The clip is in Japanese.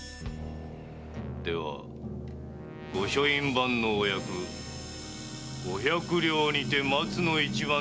では御書院番のお役五百両にて松の一番殿に落着。